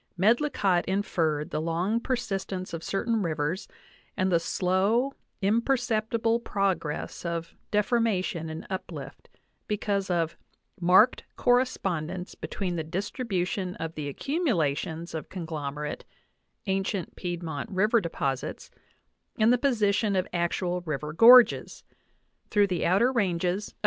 Medlicottf inferred the long persistence of certain rivers and the slow, imperceptible prog ress of deformation and uplift, because of "marked corre spondence between the distribution of the accumulations of conglomerate [ancient piedmont river deposits] and the posi tion of actual river gorges" through the outer ranges of the * A.